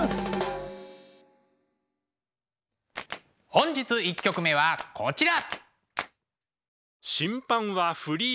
本日１曲目はこちら。